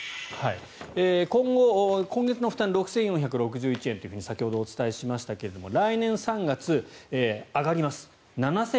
今後、今月の負担が６４６１円と先ほどお伝えしましたが来年３月上がります。